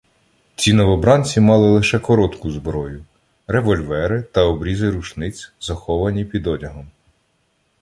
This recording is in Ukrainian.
Ці новобранці мали лише коротку зброю — револьвери та обрізи рушниць, заховані під одягом.